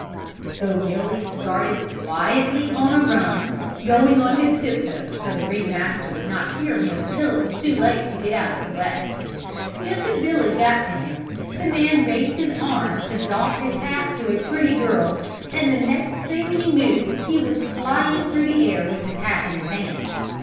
So Billy started quietly on a run, going on his tiptoes so the ring master would not hear him until it was too late to get out of the way. Just as Billy got to him the man raised his arm to doff his hat to a pretty girl, and the next thing he knew he was flying through the air with his hat in his hand.